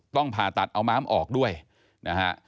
ผ่าตัดเอาม้ามออกด้วยนะฮะ